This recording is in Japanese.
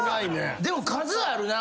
でも数あるな。